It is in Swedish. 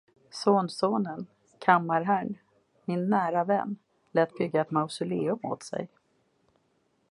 Sonsonen, kammarherrn, min nära vän, lät bygga ett mausoleum åt sig.